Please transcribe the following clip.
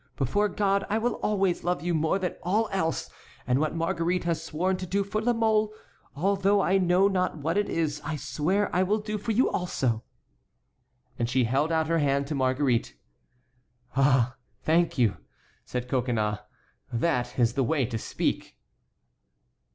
Before God I will always love you more than all else, and what Marguerite has sworn to do for La Mole, although I know not what it is, I swear I will do for you also." And she held out her hand to Marguerite. "Ah! thank you," said Coconnas; "that is the way to speak."